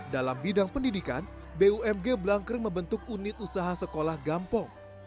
dalam bidang pendidikan bumg blangkring membentuk unit usaha sekolah gampong